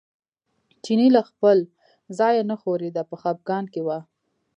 چینی له خپل ځایه نه ښورېده په خپګان کې و.